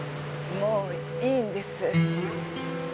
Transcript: もういいんです。